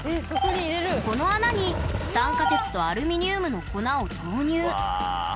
この穴に酸化鉄とアルミニウムの粉を投入。